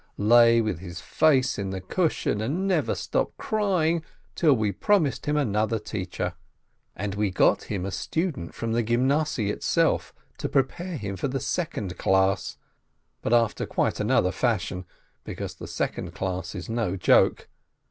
Lay with his face in the cushion, and never stopped crying till we promised him another teacher. And we got him a student from the Gymnasiye itself, to prepare him for the second class, but after quite another fashion, because the second class is no joke.